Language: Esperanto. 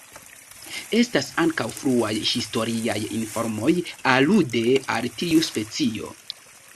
Estas ankaŭ fruaj historiaj informoj alude al tiu specio.